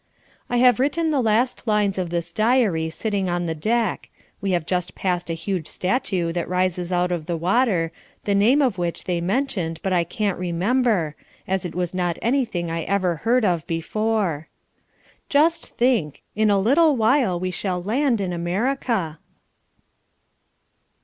I have written the last lines of this diary sitting on the deck. We have just passed a huge statue that rises out of the water, the name of which they mentioned but I can't remember, as it was not anything I ever heard of before. Just think in a little while we shall land in America!